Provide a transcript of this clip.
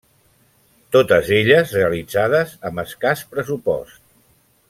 Totes elles realitzades amb escàs pressupost.